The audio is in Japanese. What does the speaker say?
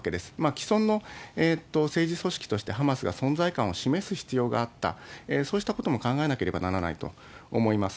既存の政治組織としてハマスが存在感を示す必要があった、そうしたことも考えなければならないと思います。